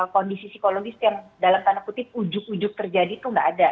kondisi psikologis yang dalam tanda kutip ujuk ujuk terjadi itu nggak ada